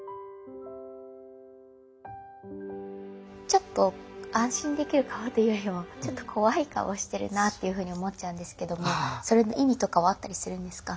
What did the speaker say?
ちょっと安心できる顔というよりもちょっと怖い顔してるなっていうふうに思っちゃうんですけどもそれの意味とかはあったりするんですか？